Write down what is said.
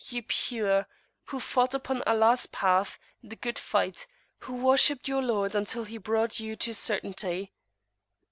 ye Pure! who fought upon Allah's Path the good Fight, who worshipped your Lord until He brought you to Certainty.